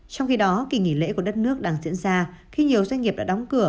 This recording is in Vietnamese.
trong khi đó kỳ nghỉ lễ của đất nước đang diễn ra khi nhiều doanh nghiệp đã đóng cửa